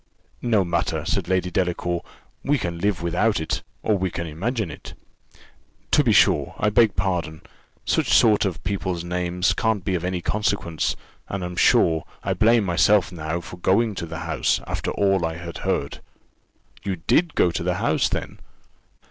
"No matter," said Lady Delacour; "we can live without it; or we can imagine it." "To be sure I beg pardon; such sort of people's names can't be of any consequence, and, I'm sure, I blame myself now for going to the house, after all I had heard." "You did go to the house, then?"